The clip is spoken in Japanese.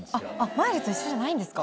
マイルと一緒じゃないんですか。